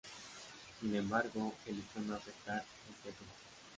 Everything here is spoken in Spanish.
Sin embargo, eligió no aceptar este ascenso.